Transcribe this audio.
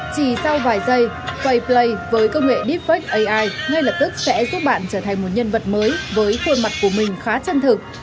chỉ sau vài giây kay play với công nghệ deepfake ai ngay lập tức sẽ giúp bạn trở thành một nhân vật mới với khuôn mặt của mình khá chân thực